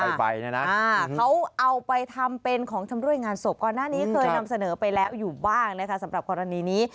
ไฟเนี่ยนะเขาเอาไปทำเป็นของชำรวยงานศพก่อนหน้านี้เคยนำเสนอไปแล้วอยู่บ้างนะคะสำหรับกรณีนี้